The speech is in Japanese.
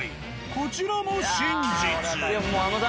こちらも真実。